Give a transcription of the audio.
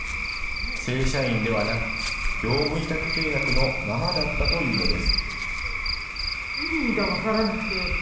正社員ではなく、業務委託契約のままだったというのです。